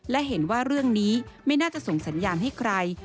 และเห็นว่าเรื่องนี้ไม่น่าจะส่งสัญญาณให้ใคร